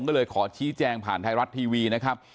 ก็เลยขอชี้แจงผ่านไทยรัฐทีวีนะครับ